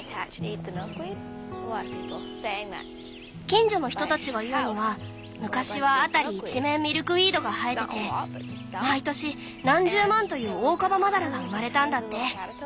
近所の人たちが言うのは昔は辺り一面ミルクウィードが生えてて毎年何十万というオオカバマダラが生まれたんだって。